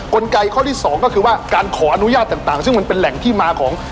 กลไกข้อที่สองก็คือว่าการขออนุญาตต่างซึ่งมันเป็นแหล่งที่มาของ